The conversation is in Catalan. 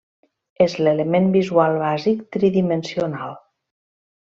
És l'element visual bàsic tridimensional.